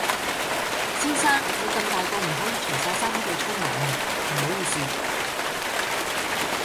先生你咁大個唔可以除晒衫喺度沖涼啊唔好意思